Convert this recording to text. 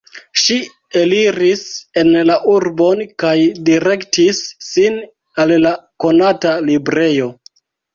Ŝi eliris en la urbon kaj direktis sin al la konata librejo.